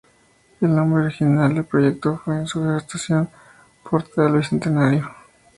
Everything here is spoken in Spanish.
El nombre original del proyecto fue en su gestación: Portal Bicentenario.